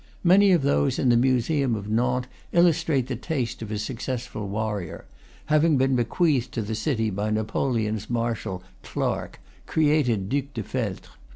Many of those in the museum of Nantes illustrate the taste of a successful warrior; having been bequeathed to the city by Napoleon's marshal, Clarke (created Duc de Feltre).